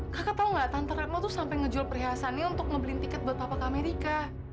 kakak tahu nggak tante retno tuh sampai ngejual perhiasannya untuk ngebeliin tiket buat apa ke amerika